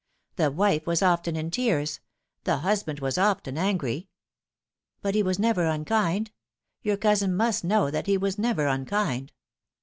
The wife was often in tears ; the husband was often angry." " But he was never unkind. Your cousin must know that he was never unkind."